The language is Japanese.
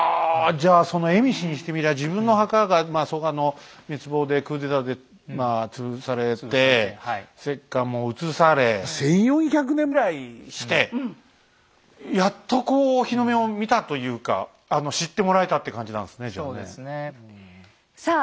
じゃあその蝦夷にしてみりゃ自分の墓が蘇我の滅亡でクーデターでまあ潰されて石棺も移され１，４００年ぐらいしてやっとこう日の目を見たというか知ってもらえたって感じなんですねじゃあ。